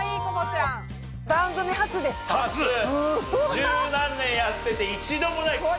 十何年やってて一度もない。